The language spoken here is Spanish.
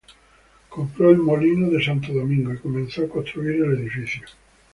Compró el Molino de Santo Domingo y comenzó a construir el edificio.